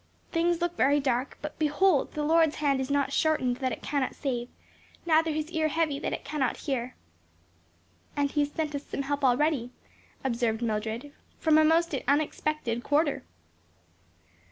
"Things look very dark but 'behold, the Lord's hand is not shortened that it cannot save; neither his ear heavy that it cannot hear.'" "And he has sent us some help already," observed Mildred; "from a most unexpected quarter."